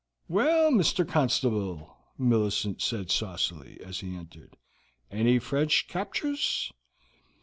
"Well, Mr. Constable," Millicent said saucily, as he entered, "any fresh captures?"